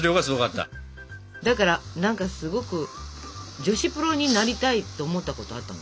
だから何かすごく女子プロになりたいと思ったことがあったの。